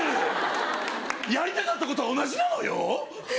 やりたかったことは同じなのよ。